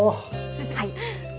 はい。